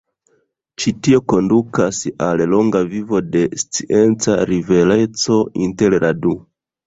Ĉi tio kondukas al longa vivo de scienca rivaleco inter la du.